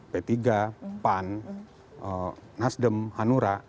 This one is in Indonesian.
p tiga pan nasdem hanura